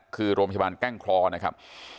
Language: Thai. คือโรงพยาบาลแกล้งคลอนะครับ